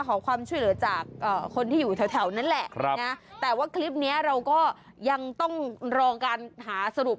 ขอความช่วยเหลือจากคนที่อยู่แถวนั้นแหละนะแต่ว่าคลิปนี้เราก็ยังต้องรอการหาสรุป